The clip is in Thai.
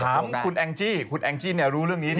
ถามคุณแองจี้คุณแองจี้รู้เรื่องนี้